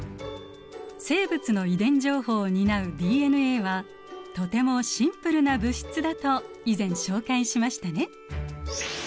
生物の遺伝情報を担うＤＮＡはとてもシンプルな物質だと以前紹介しましたね。